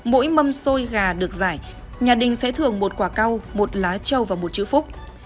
mỗi mâm xôi gà được giải nhà đình sẽ thưởng một quả cao một lá trâu và một chữ phúc